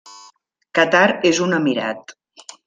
Qatar és un emirat.